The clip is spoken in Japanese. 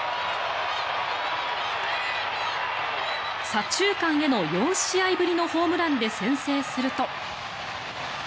左中間への４試合ぶりのホームランで先制すると。